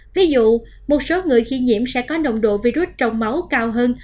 ví dụ một số người khi nhiễm sẽ có nồng độ virus trong máu cao hơn